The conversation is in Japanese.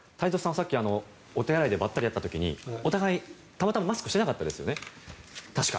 さっきお手洗いでばったり会った時にお互い、たまたまマスクしてなかったですよね。